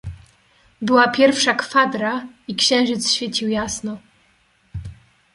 "Była pierwsza kwadra i księżyc świecił jasno."